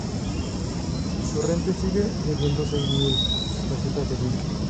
Torrente sigue debiendo "seis mil pesetas de whisky".